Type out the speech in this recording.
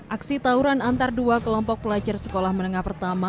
aksi tauran antar dua kelompok pelajar sekolah menengah pertama